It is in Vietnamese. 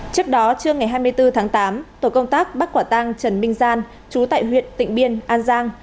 trước đó trưa ngày hai mươi bốn tháng tám tổ công tác bắt quả tang trần minh gian chú tại huyện tịnh biên an giang